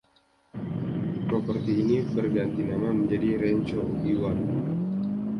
Properti ini berganti nama menjadi Rancho Obi-Wan.